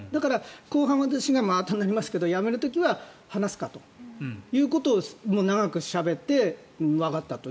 後半、やりますけど私がやめる時は話すかということを長くしゃべってわかったと。